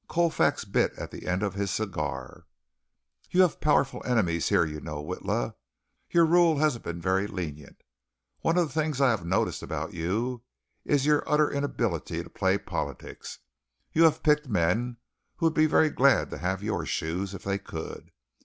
Colfax bit at the end of his cigar. "You have powerful enemies here, you know, Witla. Your rule hasn't been very lenient. One of the things I have noticed about you is your utter inability to play politics. You have picked men who would be very glad to have your shoes, if they could.